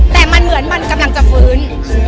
แต่มันเหมือนมันกำลังจะฟื้น